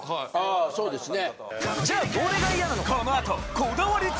あそうですね。